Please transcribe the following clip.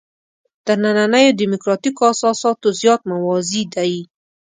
تر نننیو دیموکراتیکو اساساتو زیات موازي دي.